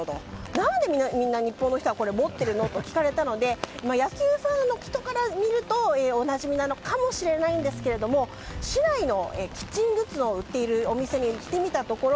何で、みんな日本の人はこれを持ってるの？と聞かれたので野球ファンの人から見るとおなじみかもしれないんですが市内のキッチングッズを売っているお店に聞いてみたところ